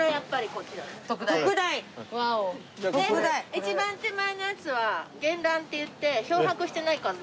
一番手前のやつは原卵っていって漂白してない数の子なんです。